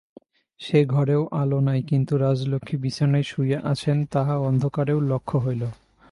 সে-ঘরেও আলো নাই–কিন্তু রাজলক্ষ্মী বিছানায় শুইয়া আছেন, তাহা অন্ধকারেও লক্ষ্য হইল।